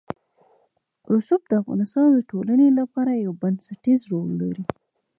رسوب د افغانستان د ټولنې لپاره یو بنسټيز رول لري.